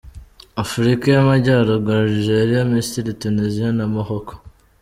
Afurika y’Amajyaruguru: Algeria, Misiri, Tunisia na Morocco.